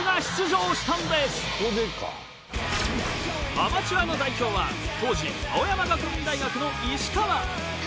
アマチュアの代表は当時青山学院大学の石川。